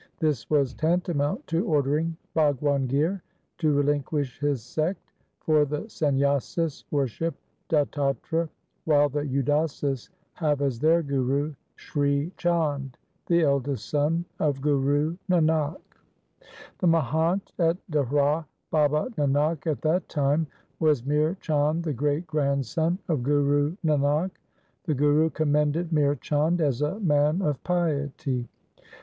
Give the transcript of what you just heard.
This was tantamount to ordering Bhagwan Gir to relinquish his sect, for the Sanyasis worship Dattatre, while the Udasis have as their guru Sri Chand, the eldest son of Guru Nanak. The Mahant at Dehra Baba Nanak at that time was Mihr Chand, the great grandson of Guru Nanak. The Guru commended Mihr Chand as a man of piety.